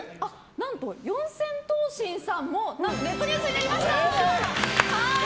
何と、四千頭身さんもネットニュースになりました！